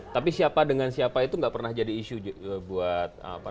tapi siapa dengan siapa itu nggak pernah jadi isu buat apa